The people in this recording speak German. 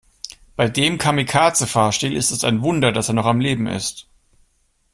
Bei dem Kamikaze-Fahrstil ist es ein Wunder, dass er noch am Leben ist.